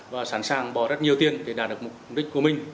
và sẵn sàng bỏ rất nhiều tiền để đạt được mục đích của mình